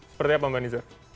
seperti apa mbak niza